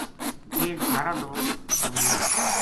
یہ سارا لوک تمبو